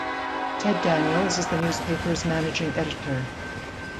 Ted Daniels is the newspaper's managing editor.